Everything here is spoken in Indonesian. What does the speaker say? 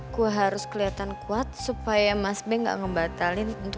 gue harus kelihatan kuat supaya mas bey gak ngebatalin